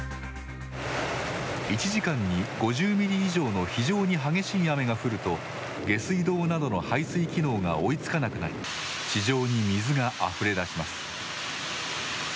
１時間に５０ミリ以上の非常に激しい雨が降ると下水道などの排水機能が追いつかなくなり地上に水があふれ出します。